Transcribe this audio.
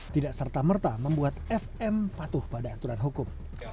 tidak serta merta membuat fm patuh pada aturan hukum